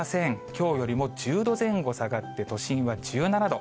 きょうよりも１０度前後下がって、都心は１７度。